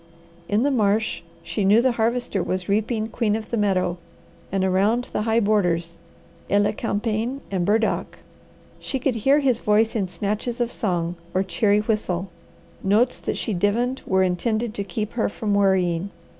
In the marsh she knew the Harvester was reaping queen of the meadow, and around the high borders, elecampane and burdock. She could hear his voice in snatches of song or cheery whistle; notes that she divined were intended to keep her from worrying.